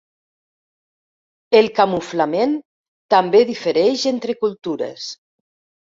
El camuflament també difereix entre cultures.